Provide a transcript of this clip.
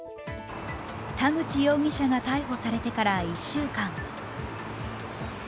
田口容疑者が逮捕されてから１週間。